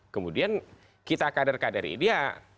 kemudian kita kader kader ini ya